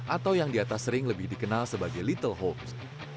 atau yang di atas ring lebih dikenal sebagai little hoax